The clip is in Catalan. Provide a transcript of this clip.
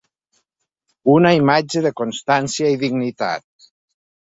Una imatge de constància i dignitat.